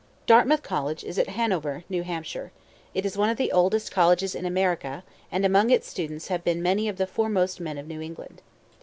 Dartmouth College is at Hanover, New Hampshire. It is one of the oldest colleges in America and among its students have been many of the foremost men of New England.